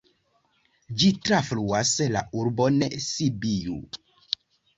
Ĝi trafluas la urbon Sibiu.